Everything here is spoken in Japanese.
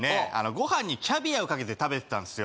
ご飯にキャビアをかけて食べてたんですよ